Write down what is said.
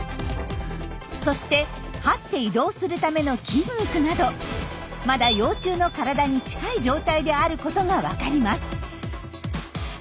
そしてはって移動するための筋肉などまだ幼虫の体に近い状態であることがわかります。